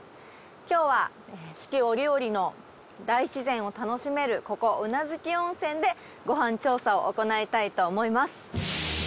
今日は四季折々の大自然を楽しめるここ宇奈月温泉でご飯調査を行いたいと思います。